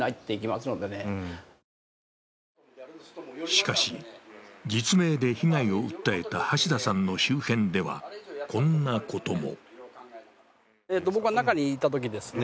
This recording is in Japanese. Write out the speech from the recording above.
しかし、実名で被害を訴えた橋田さんの周辺ではこんなことも。